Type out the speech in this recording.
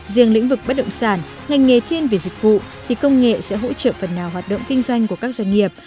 riêng lĩnh vực bất động sản ngành nghề thiên về dịch vụ thì công nghệ sẽ hỗ trợ phần nào hoạt động kinh doanh của các doanh nghiệp